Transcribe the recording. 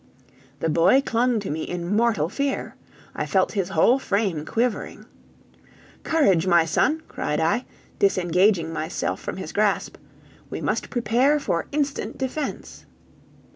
The boy clung to me in mortal fear. I felt his whole frame quivering. "Courage, my son!" cried I, disengaging myself from his grasp; "we must prepare for instant defense!"